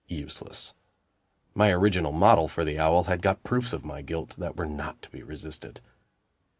Useless. My original model for the owl had got proofs of my guilt that were not to be resisted.